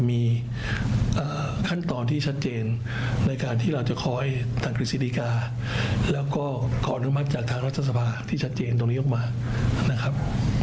มีขั้นตอนที่ชัดเจนในการที่เราจะคอยตัดกฤษฎิกาแล้วก็ขออนุมัติจากทางรัฐสภาที่ชัดเจนตรงนี้ออกมานะครับ